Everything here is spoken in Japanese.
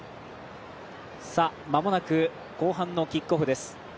まもなく、後半のキックオフです。